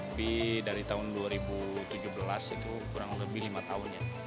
lebih dari tahun dua ribu tujuh belas itu kurang lebih lima tahun ya